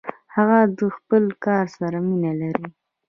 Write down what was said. هغه د خپل کار سره مینه لري.